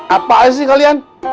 apaan sih kalian